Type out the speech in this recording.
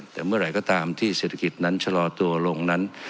แต่เมื่อไหร่ก็ตามที่เศรษฐกิจนั้นชะลอตัวลงนั้น